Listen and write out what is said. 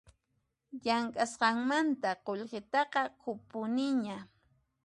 Llamk'asqanmanta qullqitaqa qunpuniña